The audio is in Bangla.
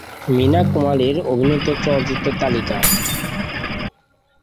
মীনা কুমারী অভিনীত চলচ্চিত্রের তালিকা